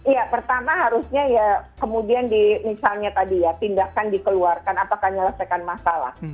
ya pertama harusnya ya kemudian di misalnya tadi ya tindakan dikeluarkan apakah nyelesaikan masalah